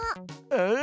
うん。